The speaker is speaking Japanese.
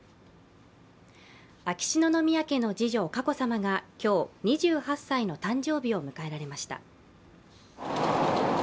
秋篠宮家の次女・佳子さまが今日、２８歳の誕生日を迎えられました。